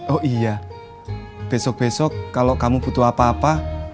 oh iya besok besok kalau kamu butuh apa apa